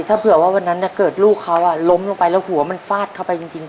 ถ้าเผื่อว่าวันนั้นเกิดลูกเขาล้มลงไปแล้วหัวมันฟาดเข้าไปจริง